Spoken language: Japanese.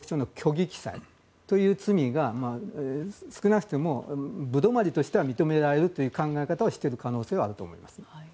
それが記載されていないとなると収支報告書の虚偽記載という罪が少なくとも部止まりとしては認められるという考え方をしている可能性はあると思いますね。